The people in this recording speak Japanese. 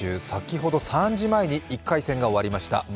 先ほど３時前に１回戦が終わりました。